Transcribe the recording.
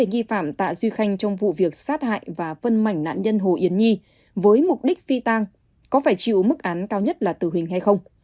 nghi phạm tạ duy khanh trong vụ việc sát hại và phân mảnh nạn nhân hồ yến nhi với mục đích phi tang có phải chịu mức án cao nhất là tử hình hay không